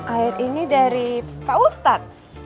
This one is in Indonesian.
air ini dari pak ustadz